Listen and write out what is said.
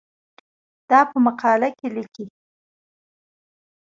دا په مقاله کې لیکې.